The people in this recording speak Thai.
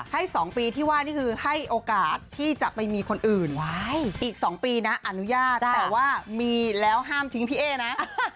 ๒ปีที่ว่านี่คือให้โอกาสที่จะไปมีคนอื่นอีก๒ปีนะอนุญาตแต่ว่ามีแล้วห้ามทิ้งพี่เอ๊นะ